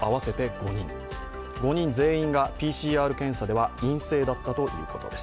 ５人全員がＰＣＲ検査では陰性だったということです。